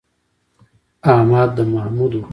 احمد د محمود ورور دی.